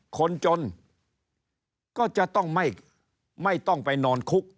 คนจนก็จะต้องไม่ต้องไปนอนคุก